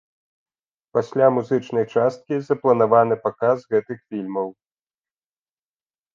Пасля музычнай часткі запланаваны паказ гэтых фільмаў.